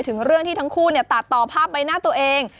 ถึงเรื่องที่ทั้งคู่ตัดต่อภาพใบหน้าตัวเอง